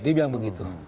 dia bilang begitu